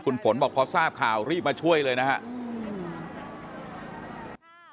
คุณฝนบอกพอทราบข่าวรีบมาช่วยเลยนะครับ